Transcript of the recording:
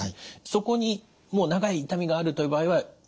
そこにもう長い痛みがあるという場合は行けばよい？